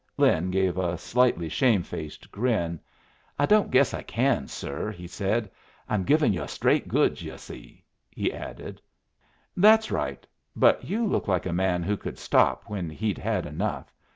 Lin gave a slightly shamefaced grin. "I don't guess I can, sir," he said. "I'm givin' yu' straight goods, yu' see," he added. "That's right. But you look like a man who could stop when he'd had enough.